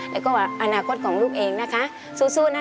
แล้วก็อนาคตของลูกเองนะคะสู้นะคะ